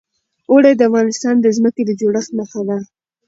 اوړي د افغانستان د ځمکې د جوړښت نښه ده.